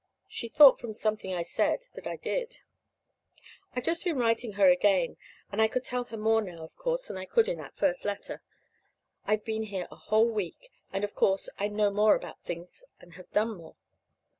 She thought from something I said that I did. I've just been writing her again, and I could tell her more now, of course, than I could in that first letter. I've been here a whole week, and, of course, I know more about things, and have done more.